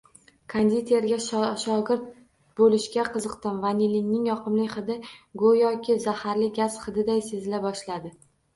Konditerga shogird boʻlishga qiziqdim, vanilinning yoqimli hidi goʻyoki zaharli gaz hididay sezila boshladi.